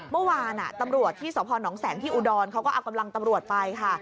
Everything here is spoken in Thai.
เมื่อวานตำรวจที่สพนแสงที่อุดรเขาก็เอากำลังตำรวจไปค่ะ